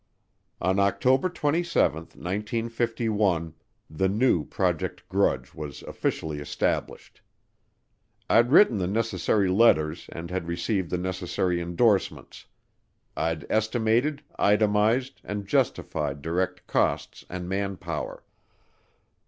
On October 27, 1951, the new Project Grudge was officially established. I'd written the necessary letters and had received the necessary endorsements. I'd estimated, itemized, and justified direct costs and manpower.